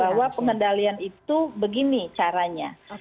bahwa pengendalian itu begini caranya